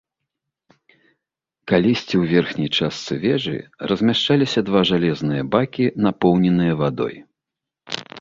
Калісьці ў верхняй частцы вежы размяшчаліся два жалезныя бакі, напоўненыя вадой.